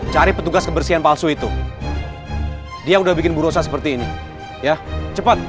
cari petugas kebersihan palsu itu dia udah bikin burosa seperti ini ya cepat